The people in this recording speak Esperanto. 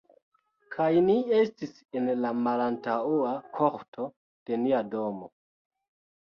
Kaj ni estis en la malantaŭa korto de nia domo.